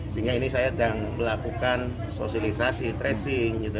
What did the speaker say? sehingga ini saya melakukan sosialisasi tracing